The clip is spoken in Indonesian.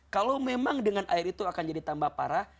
kalau memang dengan air itu akan jadi tambah parah